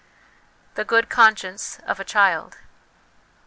The Good Conscience of a Child.